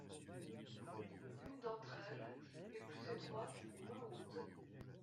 Une d'entre elles est plus étroite et moins haute.